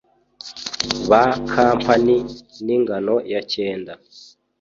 ba kampani n’ingingo ya cyenda